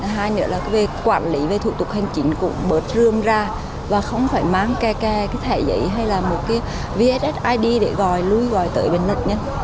hai nữa là về quản lý về thủ tục hành chính cũng bớt rương ra và không phải mang kè kè cái thẻ giấy hay là một cái vssid để gọi lùi gọi tới bệnh nhân